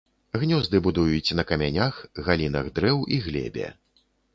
Гнёзды будуюць на камянях, галінах дрэў і глебе.